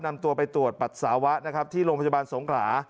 นำตัวไปตรวจปรัศนาวะที่โรงพยาบาลสงขลา